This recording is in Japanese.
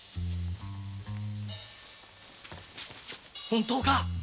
本当か？